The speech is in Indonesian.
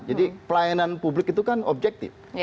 jadi pelayanan publik itu kan objektif